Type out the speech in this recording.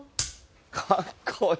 かっこいい！